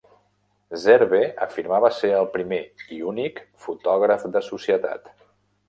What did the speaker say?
Zerbe afirmava ser el primer (i únic) fotògraf de societat.